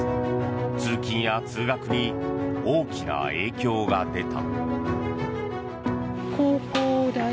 通勤や通学に大きな影響が出た。